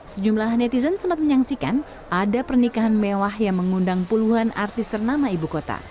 sejumlah netizen sempat menyaksikan ada pernikahan mewah yang mengundang puluhan artis ternama ibu kota